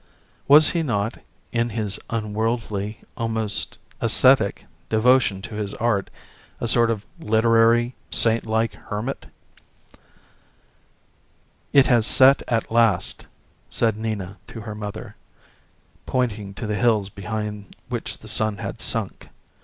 Was he not, in his unworldly, almost ascetic, devotion to his art a sort of literary, saint like hermit? "'It has set at last,' said Nina to her mother, pointing to the hills behind which the sun had sunk. ..."